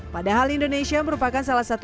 padahal indonesia merupakan salah satu